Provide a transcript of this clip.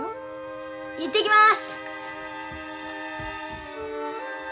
行ってきます！